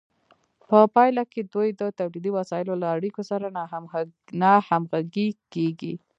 په پایله کې دوی د تولیدي وسایلو له اړیکو سره ناهمغږې کیږي.